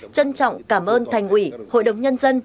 trân trọng cảm ơn thành ủy hội đồng nhân dân